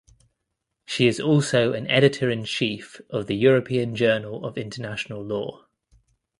She is also an Editor in Chief of the European Journal of International Law.